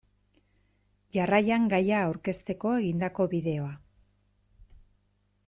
Jarraian gaia aurkezteko egindako bideoa.